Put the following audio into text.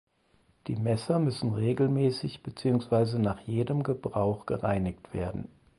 Die Messer müssen regelmäßig beziehungsweise nach jedem Gebrauch gereinigt werden.